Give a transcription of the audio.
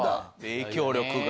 影響力が。